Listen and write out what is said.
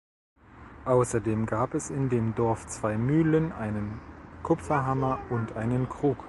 Außerdem gab es in dem Dorf zwei Mühlen, einen Kupferhammer und einen Krug.